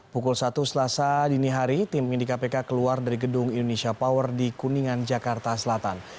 pukul satu selasa dini hari tim penyidik kpk keluar dari gedung indonesia power di kuningan jakarta selatan